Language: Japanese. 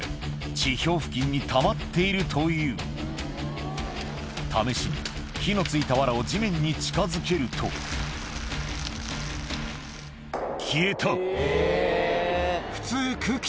地表付近にたまっているという試しに火の付いたワラを地面に近づけるとうわ！